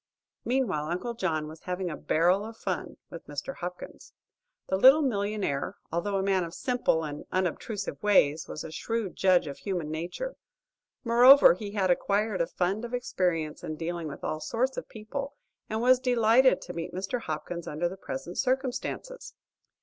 Meantime, Uncle John was having a "barrel of fun" with Mr. Hopkins. The little millionaire, although a man of simple and unobtrusive ways, was a shrewd judge of human nature. Moreover he had acquired a fund of experience in dealing with all sorts of people, and was delighted to meet Mr. Hopkins under the present circumstances.